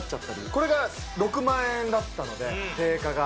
これが６万円だったので、定価が。